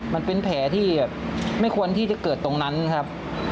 มันเป็นแผลที่แบบไม่ควรที่จะเกิดตรงนั้นครับ